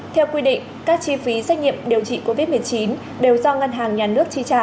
theo quy định các chi phí xét nghiệm điều trị covid một mươi chín đều do ngân hàng nhà nước chi trả